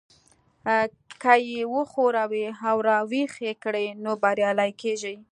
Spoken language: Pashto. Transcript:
که يې وښوروئ او را ويښ يې کړئ نو بريالي کېږئ.